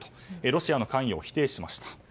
ロシアの関与を否定しました。